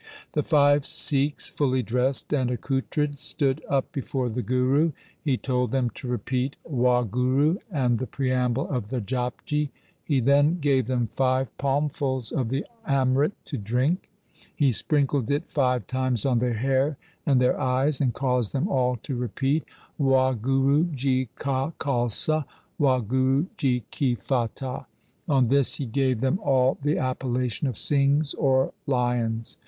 The five Sikhs, fully dressed and accoutred, stood up before the Guru. He told them to repeat 'Wahguru' and the preamble of the Japji. He then gave them five palmfuls of the amrit 2 to drink. He sprinkled it five times on their hair, and their eyes, and caused them all to repeat ' Wahguru ji ka Khalsa, Wahguru ji ki Fatah.' On this he gave them all the appellation of Singhs or lions.